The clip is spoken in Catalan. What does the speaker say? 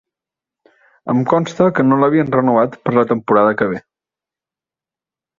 Em consta que no l'havien renovat per a la temporada que ve.